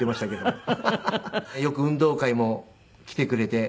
よく運動会も来てくれて。